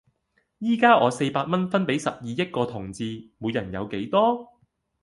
依家我四百蚊分俾十二億個同志，每人有幾多?